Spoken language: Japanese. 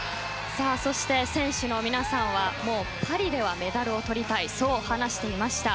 そして、選手の皆さんはパリではメダルを取りたいそう、話していました。